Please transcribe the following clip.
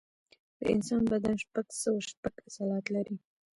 د انسان بدن شپږ سوه شپږ عضلات لري.